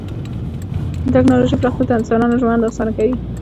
د ټکنالوژۍ پراختیا د انسانانو ژوند اسانه کوي.